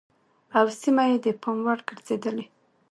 او سيمه يې د پام وړ ګرځېدلې